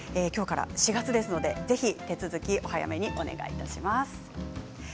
きょうから４月ですのでぜひ手続きをお早めにお願いします。